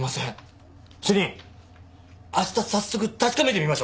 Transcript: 主任明日早速確かめてみましょう。